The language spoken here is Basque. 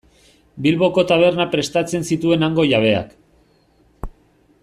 Bilboko tabernan prestatzen zituen hango jabeak.